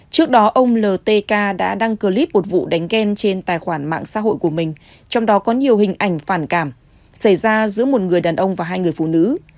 trước đó ông ltk đã đăng clip một vụ đánh ghen trên tài khoản mạng xã hội của mình trong đó có nhiều hình ảnh phản cảm xảy ra giữa một người đàn ông và hai người phụ nữ